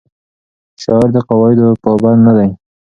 شاعر د قواعدو پابند نه دی.